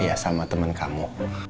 ya sama temen kamu